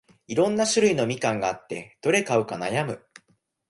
いろんな種類のみかんがあって、どれ買うか悩む